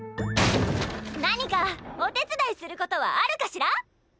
何かお手伝いすることはあるかしら？